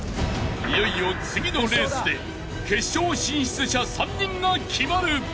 ［いよいよ次のレースで決勝進出者３人が決まる］